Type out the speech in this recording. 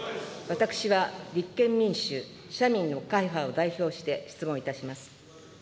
私は立憲民主・社民の会派を代表して、質問いたします。